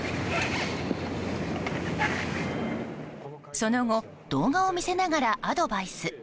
その後、動画を見せながらアドバイス。